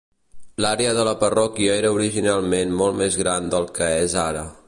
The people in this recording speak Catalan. L'àrea de la parròquia era originalment molt més gran del que és ara.